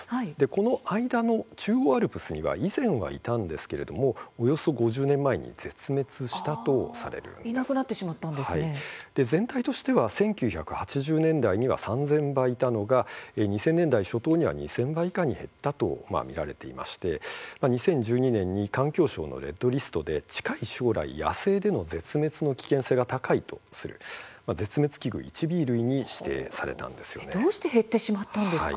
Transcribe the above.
その間の中央アルプスには以前は、いたのですがおよそ５０年前にいなくなって全体としては１９８０年代には３０００羽いたのが２０００年代初頭には２０００羽以下に減ったと見られていまして２０１２年に環境省のレッドリストで近い将来、野生での絶滅の危険性が高いとするどうして減ってしまったんでしょうか。